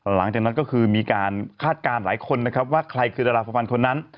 หลังจากนั้นก็คือมีการคาดการณ์หลายคนนะครับว่าใครคือดาราฟภัณฑ์คนนั้น